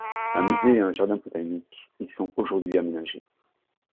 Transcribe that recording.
Un musée et un jardin botanique y sont aujourd'hui aménagés.